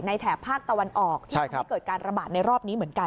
แถบภาคตะวันออกที่ทำให้เกิดการระบาดในรอบนี้เหมือนกัน